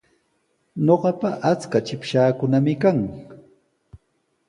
Ñuqapa achka chikpashaakunami kan.